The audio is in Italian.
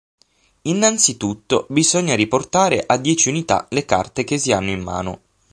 Innanzitutto, bisogna riportare a dieci unità le carte che si hanno in mano.